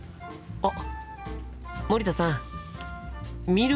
あっ。